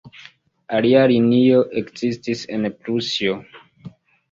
Alia linio ekzistis en Prusio.